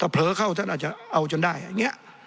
เผลอเข้าซึ่งท่านอาจจะเอาจนได้